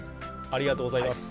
ありがとうございます。